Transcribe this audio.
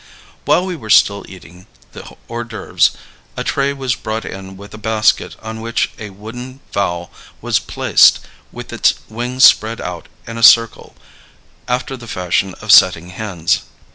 While we were still eating the hors d'oeuvres, a tray was brought in with a basket on which a wooden fowl was placed with its wings spread out in a circle after the fashion of setting hens.